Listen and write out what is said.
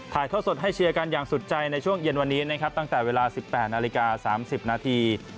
โทษสดให้เชียร์กันอย่างสุดใจในช่วงเย็นวันนี้นะครับตั้งแต่เวลา๑๘นาฬิกา๓๐นาที